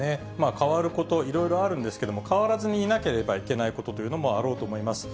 変わること、いろいろあるんですけれども、変わらずにいなければいけないということもあろうと思います。